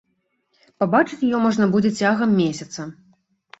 Пабачыць яе можна будзе цягам месяца.